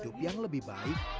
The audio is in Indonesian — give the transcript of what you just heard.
hidup yang lebih baik